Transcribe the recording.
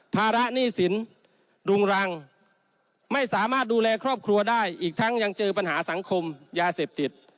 ภาระหนี้สินรุงรังไม่สามารถดูแลครอบครัวได้อีกทั้งยังเจอปัญหาสังคมยาเสพติด